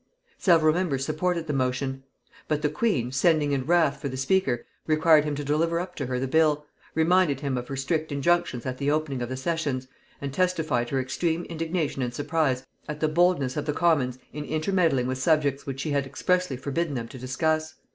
Several members supported the motion: but the queen, sending in wrath for the speaker, required him to deliver up to her the bill; reminded him of her strict injunctions at the opening of the sessions, and testified her extreme indignation and surprise at the boldness of the commons in intermeddling with subjects which she had expressly forbidden them to discuss.